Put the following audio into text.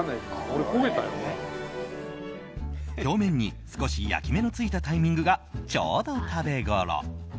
表面に少し焼き目のついたタイミングがちょうど食べごろ。